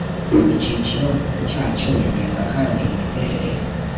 icyiciro cyacyo Rigena kandi imiterere